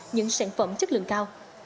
những sản phẩm chất lượng cao